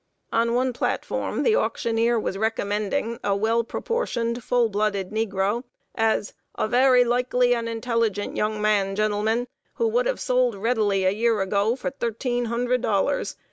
On one platform the auctioneer was recommending a well proportioned, full blooded negro, as "a very likely and intelligent young man, gentlemen, who would have sold readily, a year ago, for thirteen hundred dollars.